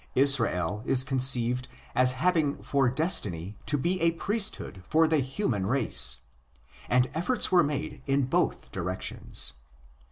Israel is conceived as having for destiny to be a priesthood for the human race. And efforts were made in both directions.